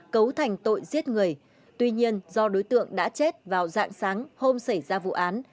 cấu thành tội giết người tuy nhiên do đối tượng đã chết vào dạng sáng hôm xảy ra vụ án